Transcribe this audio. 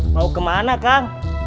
mau kemana kang